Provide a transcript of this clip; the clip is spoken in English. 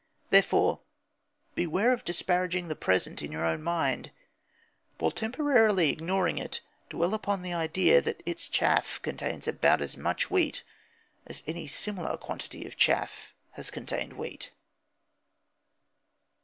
Therefore, beware of disparaging the present in your own mind. While temporarily ignoring it, dwell upon the idea that its chaff contains about as much wheat as any similar quantity of chaff has contained wheat.